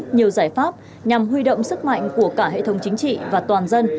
nhiều giải pháp nhằm huy động sức mạnh của cả hệ thống chính trị và toàn dân